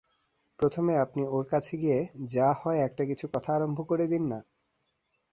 প্রথমে আপনি ওঁর কাছে গিয়ে যা-হয় একটা কিছু কথা আরম্ভ করে দিন-না।